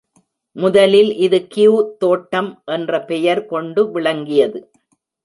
முதலில் இது கியூ தோட்டம் என்ற பெயர் கொண்டு விளங்கியது.